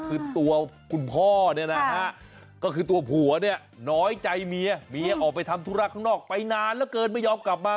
คือตัวคุณพ่อเนี่ยนะฮะก็คือตัวผัวเนี่ยน้อยใจเมียเมียออกไปทำธุระข้างนอกไปนานเหลือเกินไม่ยอมกลับมา